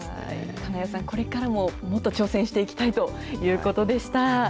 金谷さん、これからももっと挑戦していきたいということでした。